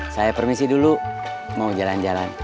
saya permisi dulu mau jalan jalan